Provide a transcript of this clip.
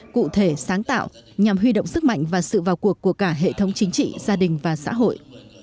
cụ thể sáng tạo nhằm huy động sức mạnh và sự vào cuộc của cả hệ thống chính trị gia đình và xã hội